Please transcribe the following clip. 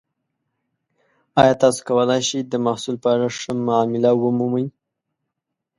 ایا تاسو کولی شئ د محصول په اړه ښه معامله ومومئ؟